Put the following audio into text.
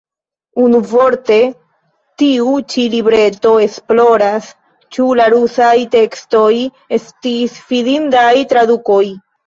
Unuvorte, tiu ĉi libreto esploras, ĉu la rusaj tekstoj estis fidindaj tradukoj.